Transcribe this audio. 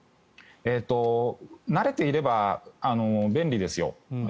慣れていれば便利ですよ。